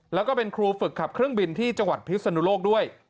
แล้วก็เป็นครูฝึกขับเครื่องบินที่จังหวัดพิศนุโลกด้วย